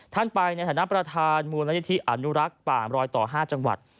ท่านไปในฐานะประธานมูลนิธิอนุรักษ์ป่ามรอยต่อ๕จังหวัด